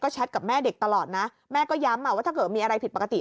แชทกับแม่เด็กตลอดนะแม่ก็ย้ำว่าถ้าเกิดมีอะไรผิดปกติ